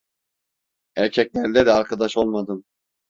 Erkeklerle de arkadaş olmadım.